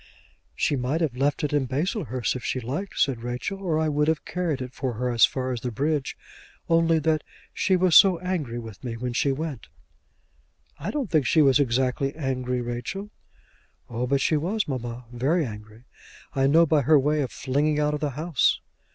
"She might have left it in Baslehurst if she liked," said Rachel, "or I would have carried it for her as far as the bridge, only that she was so angry with me when she went." "I don't think she was exactly angry, Rachel." "Oh, but she was, mamma; very angry. I know by her way of flinging out of the house."